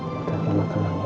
kita tenang tenang ya